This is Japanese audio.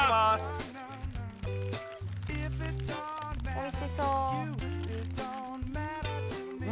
おいしそう。